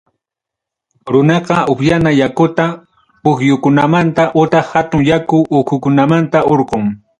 Runaqa upyana yakuta pukyukunamanta utaq hatun yaku uchkunamantam hurqun.